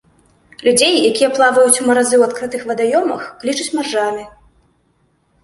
Людзей, якія плаваюць у маразы у адкрытых вадаёмах, клічуць маржамі.